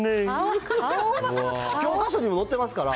教科書にも載ってますから。